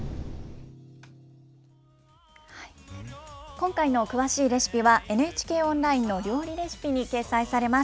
今回の詳しいレシピは、ＮＨＫオンラインの料理レシピに掲載されます。